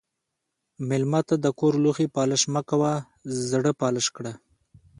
مېلمه ته د کور لوښي پالش مه کوه، زړه پالش کړه.